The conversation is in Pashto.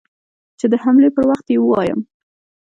چې د حملې پر وخت يې ووايم.